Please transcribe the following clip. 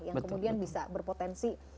yang kemudian bisa berpotensi